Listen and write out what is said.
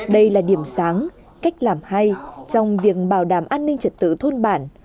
đây là điểm sáng cách làm hay trong việc bảo đảm an ninh trật tự thôn bản